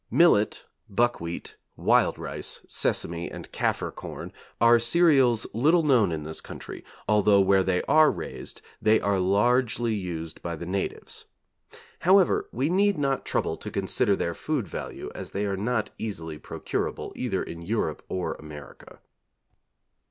Millet, buckwheat, wild rice, sesame, and Kaffir corn, are cereals little known in this country, although where they are raised they are largely used by the natives. However, we need not trouble to consider their food value as they are not easily procurable either in Europe or America.